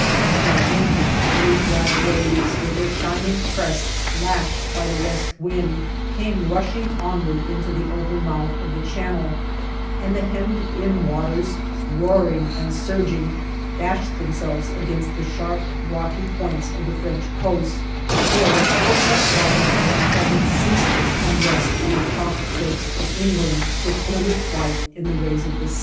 The gigantic, blue black waves, with their shining crests lashed by the west wind, came rushing onwards into the open mouth of the Channel, and the hemmed in waters, roaring and surging, dashed themselves against the sharp, rocky points of the French coast, or broke less violently but in ceaseless unrest on the chalk cliffs of England which glimmered white in the rays of the sun.